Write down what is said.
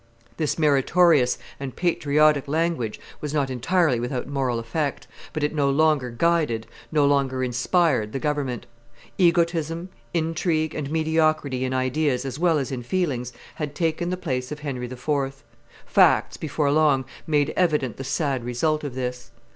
This meritorious and patriotic language was not entirely without moral effect, but it no longer guided, no longer inspired the government; egotism, intrigue, and mediocrity in ideas as well as in feelings had taken the place of Henry IV. Facts, before long, made evident the sad result of this.